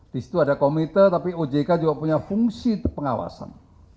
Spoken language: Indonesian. di situ ada komite tapi ojk juga punya fungsi pengawasan